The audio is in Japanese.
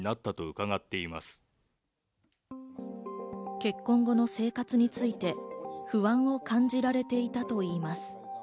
結婚後の生活について不安を感じられていたといいます。